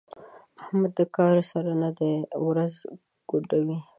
احمد د کار سړی نه دی؛ ورځ ګوډوي.